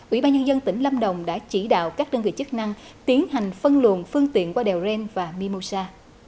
ủy ban nhân dân tỉnh lâm đồng đã chỉ đạo các đơn vị chức năng tiến hành phân luồng phương tiện qua đèo ren và mimosa